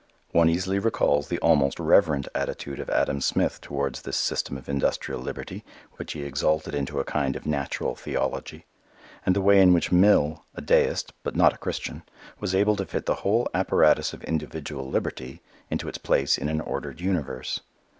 One easily recalls the almost reverent attitude of Adam Smith towards this system of industrial liberty which he exalted into a kind of natural theology: and the way in which Mill, a deist but not a Christian, was able to fit the whole apparatus of individual liberty into its place in an ordered universe.